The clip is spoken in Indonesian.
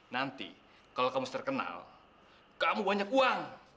nanti kalau kamu terkenal kamu banyak uang